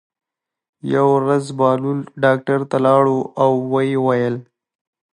یوه ورځ بهلول ډاکټر ته لاړ او ویې ویل.